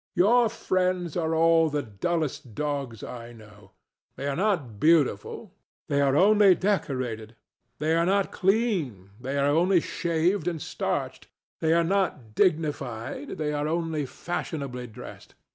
Your friends are all the dullest dogs I know. They are not beautiful: they are only decorated. They are not clean: they are only shaved and starched. They are not dignified: they are only fashionably dressed.